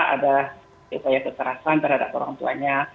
ada keserasan terhadap orang tuanya